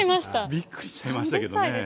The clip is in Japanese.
びっくりしましたけどね。